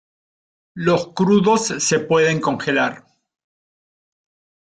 Los crudos se pueden congelar.